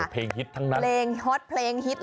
สมุดเพลงฮิตทั้งนั้น